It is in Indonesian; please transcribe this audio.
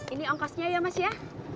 ini ongkosnya ya mas ya